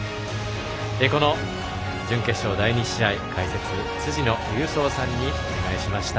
この準決勝、第２試合、解説辻野隆三さんにお願いしました。